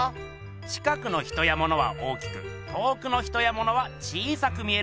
近くの人やものは大きく遠くの人やものは小さく見えるはずが。